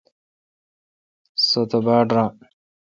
سو تہ باڑ ران۔